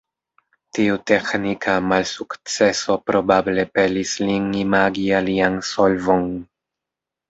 Tiu teĥnika malsukceso probable pelis lin imagi alian solvon.